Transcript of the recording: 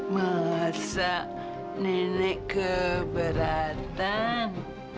masa nenek keberatan